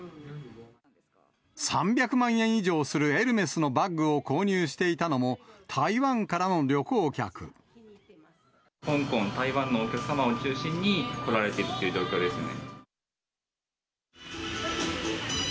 ３００万円以上する、エルメスのバッグを購入していたのも、香港、台湾のお客様を中心に来られているという状況ですね。